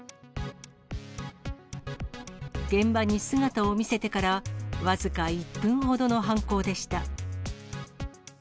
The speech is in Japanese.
現場に姿を見せてから僅か１分ほどの犯行でした。